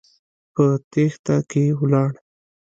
په تېښته کې ولاړ.